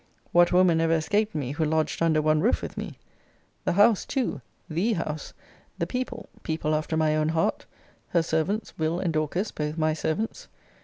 What woman ever escaped me, who lodged under one roof with me? The house too, THE house; the people people after my own heart; her servants, Will. and Dorcas, both my servants.